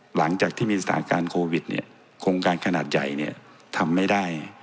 หลังจากที่มีสถานการณ์โควิดเนี่ยโครงการขนาดใหญ่เนี่ยทำไม่ได้